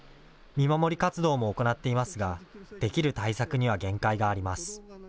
見守り活動も行っていますができる対策には限界があります。